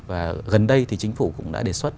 và gần đây thì chính phủ cũng đã đề xuất